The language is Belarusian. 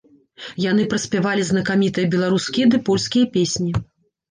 Яны праспявалі знакамітыя беларускія ды польскія песні.